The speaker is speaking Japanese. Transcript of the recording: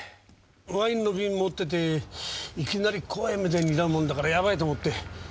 ワインの瓶持ってていきなり怖い目で睨むもんだからやばいと思って。